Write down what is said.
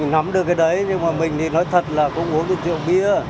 mình nắm được cái đấy nhưng mà mình thì nói thật là không uống được chữ bia